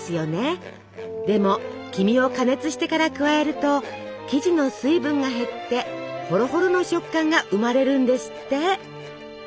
でも黄身を加熱してから加えると生地の水分が減ってホロホロの食感が生まれるんですって。